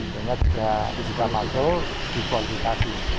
sehingga juga disikap masuk dipolikasi